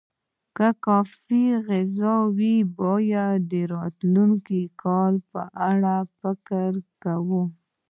که څه هم کافي غذا وه، باید د راتلونکي کال په فکر کې وای.